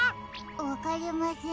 わかりません。